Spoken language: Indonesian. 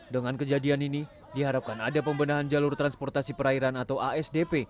dengan kejadian ini diharapkan ada pembendahan jalur transportasi perairan atau asdp